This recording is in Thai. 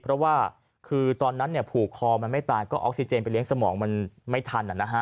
เพราะว่าคือตอนนั้นเนี่ยหลานผูกคอออกซิเจนไปเลี้ยงสมองที่ไม่ทันน่ะนะฮะ